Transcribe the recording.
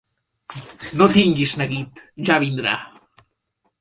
No tinguis neguit: ja vindrà.